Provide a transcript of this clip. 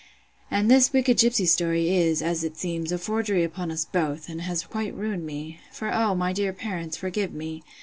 And all this wicked gipsy story is, as it seems, a forgery upon us both, and has quite ruined me: For, O my dear parents, forgive me!